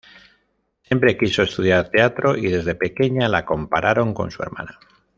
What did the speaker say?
Siempre quiso estudiar teatro, y desde pequeña la compararon con su hermana.